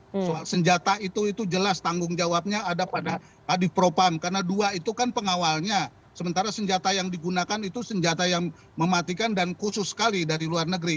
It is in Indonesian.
soal senjata itu itu jelas tanggung jawabnya ada pada adik propam karena dua itu kan pengawalnya sementara senjata yang digunakan itu senjata yang mematikan dan khusus sekali dari luar negeri